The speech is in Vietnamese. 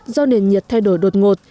do nền nhiệt thay đổi đột ngột